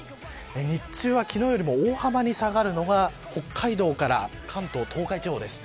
日中は昨日よりも大幅に下がるのが北海道から関東、東海地方です。